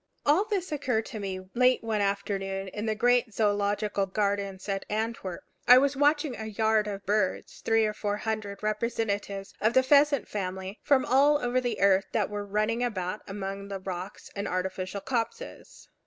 All this occurred to me late one afternoon in the great Zoological Gardens at Antwerp. I was watching a yard of birds three or four hundred representatives of the pheasant family from all over the earth that were running about among the rocks and artificial copses.